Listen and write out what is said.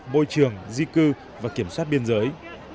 bôi trường di cư và kiểm soát biên giới